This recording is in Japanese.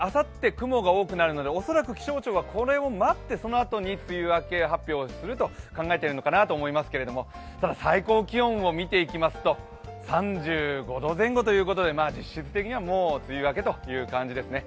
雲が多くなるので恐らく気象庁がこれを待って、そのあとに梅雨明け発表すると考えているのかなと思いますがただ最高気温を見ていきますと３５度前後ということで実質的にはもう梅雨明けということですね。